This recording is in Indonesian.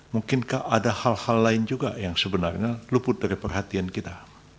mungkinkah ada hal hal lain juga yang sebenarnya luput dari perhatian kita